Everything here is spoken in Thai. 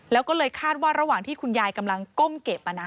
แล้วก็เลยคาดว่าระหว่างที่คุณยายกำลังก้มเก็บ